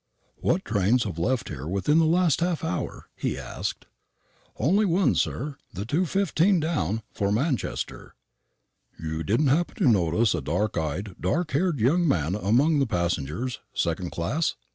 "What trains have left here within the last half hour?" he asked. "Only one, sir; the 2.15 down, for Manchester." "You didn't happen to notice a dark eyed, dark haired young man among the passengers second class?"